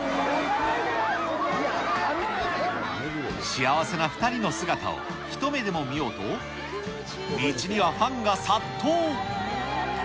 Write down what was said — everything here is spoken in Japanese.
幸せな２人の姿を一目でも見ようと、道にはファンが殺到。